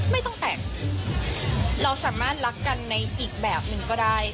ไม่ต้องแต่งเราสามารถรักกันในอีกแบบหนึ่งก็ได้